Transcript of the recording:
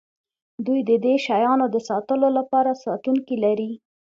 دوی د دې شیانو د ساتلو لپاره ساتونکي لري